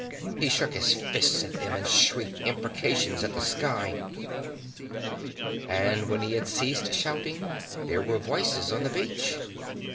He shook his fist at them and shrieked imprecations at the sky. And when he had ceased shouting, there were voices on the beach.